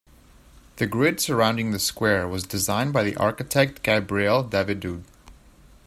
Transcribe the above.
The grid surrounding the square was designed by the architect Gabriel Davioud.